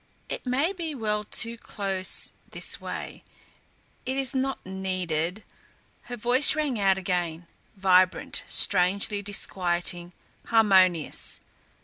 "It may be well to close this way. It is not needed " Her voice rang out again, vibrant, strangely disquieting, harmonious.